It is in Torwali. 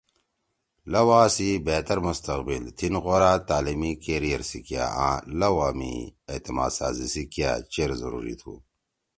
لؤا سی بہتر مستقبل، تھیِن غورا تعلیمی کریئر سی کیا آں لؤا می اعتمادسازی کیا چیر ضروری تُھو۔